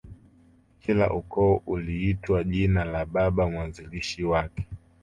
Kila ukoo uliitwa jina la Baba mwanzilishi wake